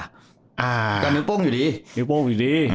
ก็นิ้วโป้งอยู่ดี